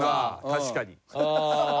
確かに。